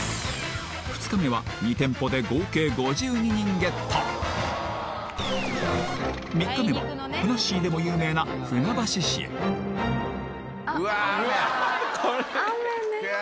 ２日目は２店舗で合計５２人ゲット３日目はふなっしーでも有名な船橋市へあっ雨雨ねうわ